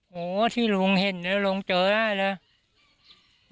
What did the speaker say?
โหที่หลวงเห็นหรือหลวงเจอได้เลย